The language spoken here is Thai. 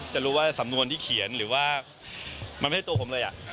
จะรู้ว่าสำนวนที่เขียนหรือว่ามันไม่ใช่ตัวผมเลย